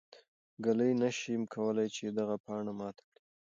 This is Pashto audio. ږلۍ نه شي کولای چې دغه پاڼه ماته کړي.